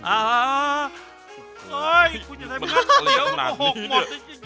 อ่าคุณอย่าทำแบบนั้นเดี๋ยวผมโหกหมด